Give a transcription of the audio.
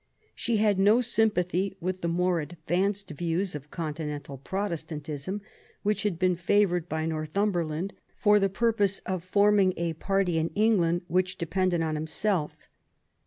She had no sympathy w^ith the more advanced views of Continental Protestantism, which had been favoured by Northumberland for the purpose of forming a party in England which depended on himself.